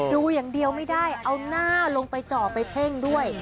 ดูอย่างเดียวไม่ได้เอาหน้าลงไปจ่อไปเพ่งด้วย